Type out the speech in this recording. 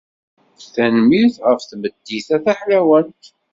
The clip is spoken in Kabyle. Tanemmirt ɣef tmeddit-a taḥlawant.